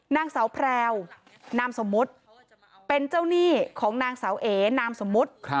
นางสาวแพรวนามสมมุติเป็นเจ้าหนี้ของนางสาวเอนามสมมุติ